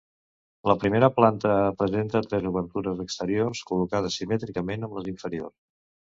La primera planta presenta tres obertures exteriors, col·locades simètricament amb les inferiors.